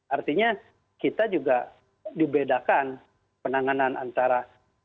artinya kita juga dibedakan penanganan antara